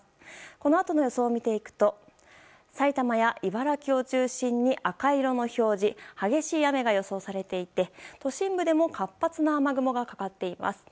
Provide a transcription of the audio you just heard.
このあとの予想を見ていくと埼玉や茨城を中心に赤色の表示激しい雨が予想されていて都心部でも活発な雨雲がかかっています。